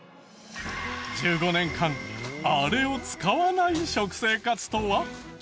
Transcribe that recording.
１５年間あれを使わない食生活とは？